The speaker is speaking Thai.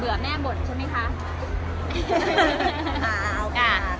เบื่อแม่บ่นใช่มั้ยคะ